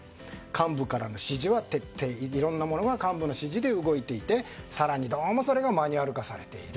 幹部からの指示は徹底していろいろなものは幹部の指示で動いていて更に、どうもそれがマニュアル化されている。